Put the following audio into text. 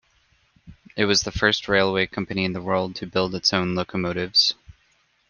It was the first railway company in the world to build its own locomotives.